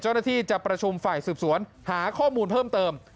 เจ้าหน้าที่จะประชุมฝ่ายสืบสวนหาข้อมูลเพิ่มเติม